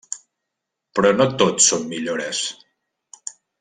Però no tot són millores.